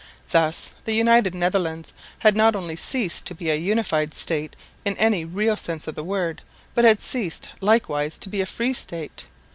Thus the United Netherlands had not only ceased to be a unified state in any real sense of the word, but had ceased likewise to be a free state.